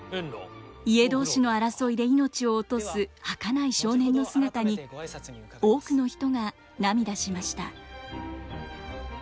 家同士の争いで命を落とすはかない少年の姿に多くの人が涙しました。